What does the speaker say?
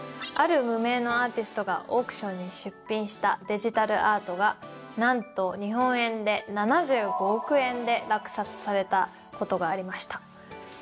ある無名のアーティストがオークションに出品したデジタルアートがなんと日本円で７５億円で落札されたことがありました。